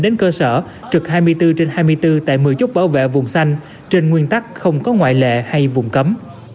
đến cơ sở trực hai mươi bốn trên hai mươi bốn tại một mươi chốt bảo vệ vùng xanh trên nguyên tắc không có ngoại lệ hay vùng cấm